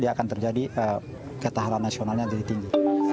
dia akan terjadi ketahuan nasionalnya yang jadi tinggi